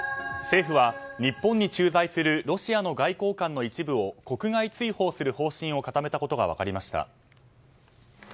政府は日本に駐在するロシアの外交官の一部を国外追放する方針を固めたことが分かりました。